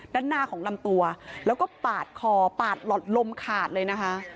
ด้านหน้าของลำตัวแล้วก็ปาดคอปาดหลอดลมขาดเลยนะคะ